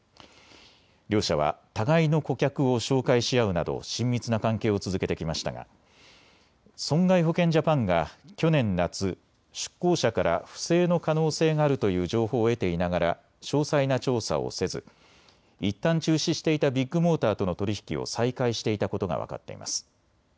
両社は互いの顧客を紹介し合うなど親密な関係を続けてきましたが損害保険ジャパンが去年夏、出向者から不正の可能性があるという情報を得ていながら詳細な調査をせずいったん中止していたビッグモーターとの取り引きを再開していたことが分かっています。